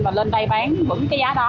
và lên đây bán vững cái giá đó